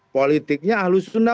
politiknya ahlus sunnah